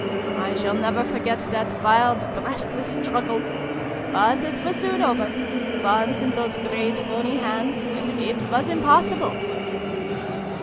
I shall never forget that wild breathless struggle ! But it was soon over. Once in those great bony hands, escape was impossible